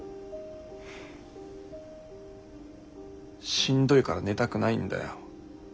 しんどいから寝たくないんだよ。